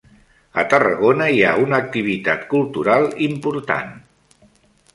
A Tarragona hi ha una activitat cultural important.